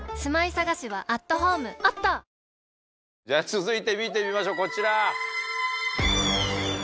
続いて見てみましょうこちら。